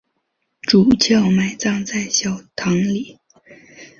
主教埋葬在小堂里。